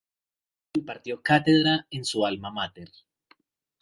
Impartió cátedra en su alma máter.